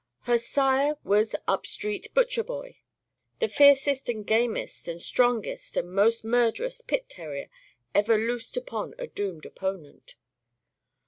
Her sire was Upstreet Butcherboy, the fiercest and gamest and strongest and most murderous pit terrier ever loosed upon a doomed opponent.